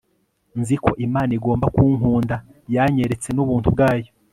Nzi ko Imana igomba kunkunda Yanyeretse nubuntu bwayo